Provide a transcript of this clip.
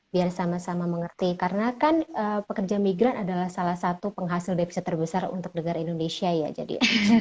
biar sama sama mengerti karena kan pekerja migran adalah salah satu penghasil devisa terbesar untuk negara indonesia ya jadi